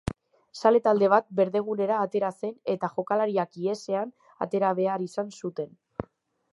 Zale talde bat berdegunera atera zen eta jokalariak ihesean atera behar izan zuten.